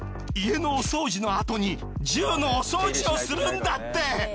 家のお掃除のあとに銃のお掃除をするんだって。